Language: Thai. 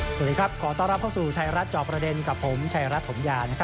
สวัสดีครับขอต้อนรับเข้าสู่ไทยรัฐจอบประเด็นกับผมชายรัฐถมยา